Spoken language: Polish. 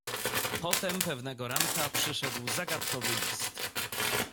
"Potem pewnego ranka przyszedł zagadkowy list."